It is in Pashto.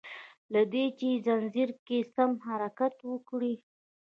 له دي چي ځنځير کی سم حرکت وکړي